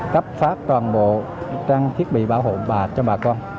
cấp phát toàn bộ trang thiết bị bảo hộ bà